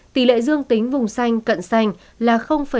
tỷ lệ dương tính vùng xanh cận xanh là năm